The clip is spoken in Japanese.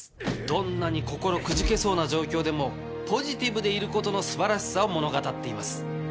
どんなに心くじけそうな状況でもポジティブでいることの素晴らしさを物語っています。